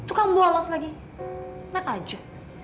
tukang bolos lagi naik aja